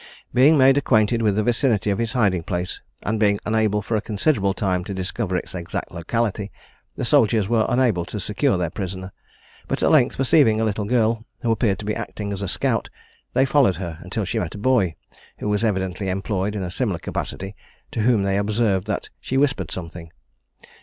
Being made acquainted with the vicinity of his hiding place, but being unable for a considerable time to discover its exact locality, the soldiers were unable to secure their prisoner; but at length perceiving a little girl, who appeared to be acting as a scout, they followed her until she met a boy, who was evidently employed in a similar capacity, to whom they observed that she whispered something.